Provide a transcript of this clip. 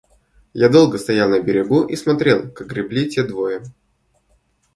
Я долго стоял на берегу и смотрел, как гребли те двое.